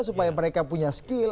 supaya mereka punya skill